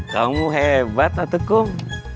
kamu hebat atukum